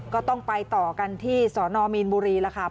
ก็ต้องไปต่อกันที่สนมีนบุรีแล้วค่ะ